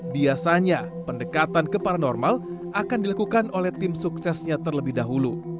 biasanya pendekatan ke paranormal akan dilakukan oleh tim suksesnya terlebih dahulu